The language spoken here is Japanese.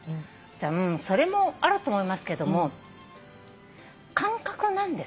「それもあると思いますけども感覚なんです」